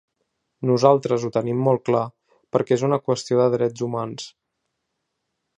Nosaltres ho tenim molt clar perquè és una qüestió de drets humans.